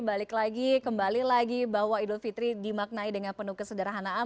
balik lagi kembali lagi bahwa idul fitri dimaknai dengan penuh kesederhanaan